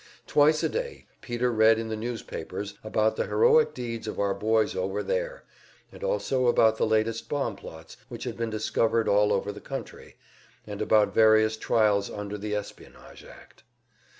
Twice a day Peter read in the newspapers about the heroic deeds of our boys over there, and also about the latest bomb plots which had been discovered all over the country, and about various trials under the espionage act.